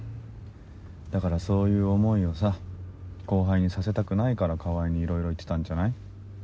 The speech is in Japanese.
だからそういう思いをさ後輩にさせたくないから川合にいろいろ言ってたんじゃない？